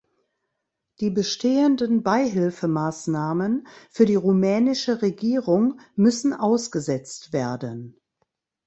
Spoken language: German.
Die bestehenden Beihilfemaßnahmen für die rumänische Regierung müssen ausgesetzt werden.